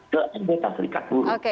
ke anggota serikat buru